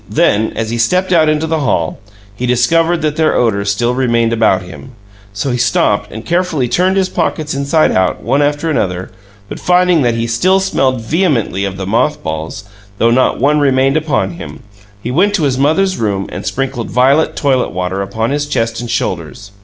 Then, as he stepped out into the hall, he discovered that their odor still remained about him; so he stopped and carefully turned his pockets inside out, one after the other, but finding that he still smelled vehemently of the "moth balls," though not one remained upon him, he went to his mother's room and sprinkled violet toilet water upon his chest and shoulders.